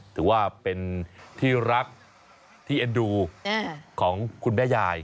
ถือว่าเป็นที่รักที่เอ็นดูของคุณแม่ยาย